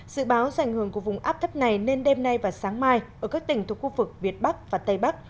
dự báo dành hưởng của vùng áp thấp này nên đêm nay và sáng mai ở các tỉnh thuộc khu vực việt bắc và tây bắc